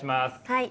はい。